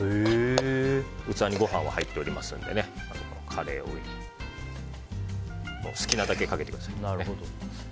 器にご飯が入っておりますのでカレーを上に好きなだけかけてください。